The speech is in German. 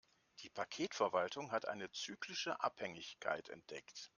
Die Paketverwaltung hat eine zyklische Abhängigkeit entdeckt.